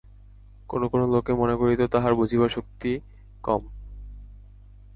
কোনো কোনো লোকে মনে করিত তাঁহার বুঝিবার শক্তি কম।